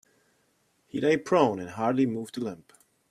He lay prone and hardly moved a limb.